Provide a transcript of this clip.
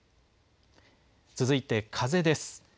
続いて風です。